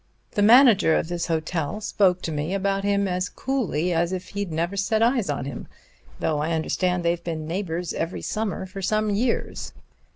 The manager of this hotel spoke to me about him as coolly as if he'd never set eyes on him, though I understand they've been neighbors every summer for some years.